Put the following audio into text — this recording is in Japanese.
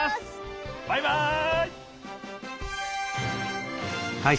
バイバイ。